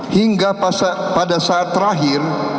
hingga pada saat terakhir